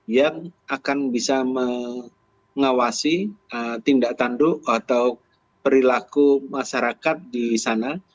yang akan bisa mengawasi tindak tanduk atau perilaku masyarakat di sana